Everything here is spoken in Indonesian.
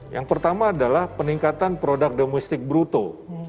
yang pertama adalah peningkatan produk domestik bruto